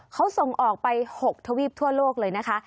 เขาส่งออกไป๖ทวีปทั่วโลกเลยนะคะ